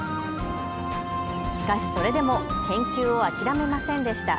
しかし、それでも研究を諦めませんでした。